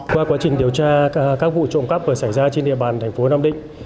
qua quá trình điều tra các vụ trộm cắp vừa xảy ra trên địa bàn thành phố nam định